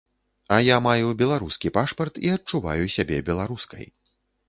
А я маю беларускі пашпарт і адчуваю сябе беларускай.